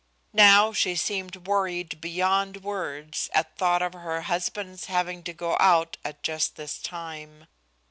Now, she seemed worried beyond words at thought of her husband's having to go at just this time.